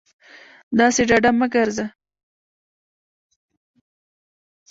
داسې ډاډه مه گرځه